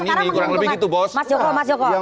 sekarang menguntungkan mas jokowi